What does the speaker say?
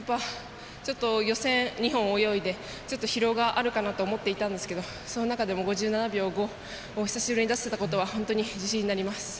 予選を２本を泳いでちょっと疲労があるかなと思っていたんですけどその中でも５７秒５を久しぶりに出せたことは本当に自信になります。